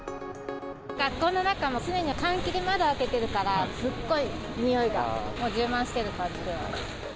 学校の中も常に換気で窓開けてるから、すっごいにおいが、もう充満してる感じで。